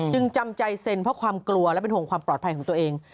จำใจเซ็นเพราะความกลัวและเป็นห่วงความปลอดภัยของตัวเอง